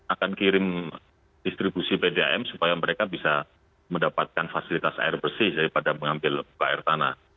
akan kirim distribusi pdam supaya mereka bisa mendapatkan fasilitas air bersih daripada mengambil muka air tanah